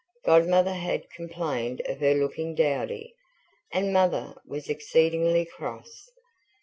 Godmother had complained of her looking "dowdy", and Mother was exceedingly cross.